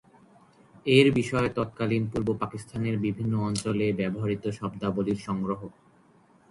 এর বিষয় তৎকালীন পূর্ব পাকিস্তানের বিভিন্ন অঞ্চলে ব্যবহূত শব্দাবলির সংগ্রহ।